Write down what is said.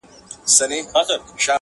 څو بې غیرته قاتلان اوس د قدرت پر ګدۍ-